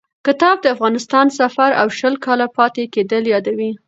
کتاب د افغانستان سفر او شل کاله پاتې کېدل یادوي.